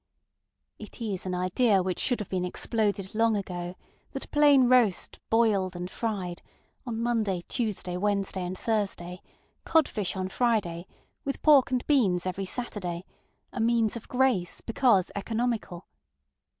It is an idea which should have been exploded long ago, that plain roast, boiled, and fried, on Monday, Tuesday, Wednesday, and Thursday, cod fish on Friday, with pork and beans every Saturday, are means of grace, because economical.